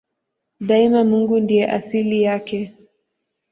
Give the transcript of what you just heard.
Daima Mungu ndiye asili yake.